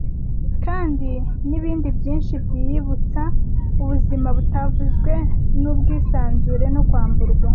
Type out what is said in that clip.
Kandi nibindi byinshi byibutsa ubuzima butavuzwe, nubwisanzure no kwamburwa,